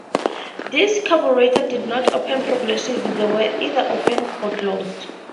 These carburetors did not open progressively; they were either open or closed.